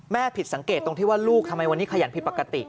ผิดสังเกตตรงที่ว่าลูกทำไมวันนี้ขยันผิดปกติ